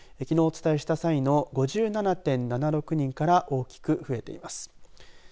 きのうお伝えした際の５７．７６人から大きく増えています。